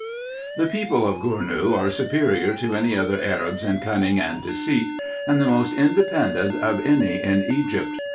The people of Gournou are superior to any other Arabs in cunning and deceit, and the most independent of any in Egypt.